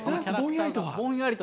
ぼんやりと？